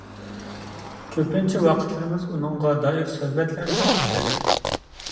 كۆپىنچە ۋاقىتلىرىمىز ئۇنىڭغا دائىر سۆھبەتلەر بىلەن ئۆتەتتى.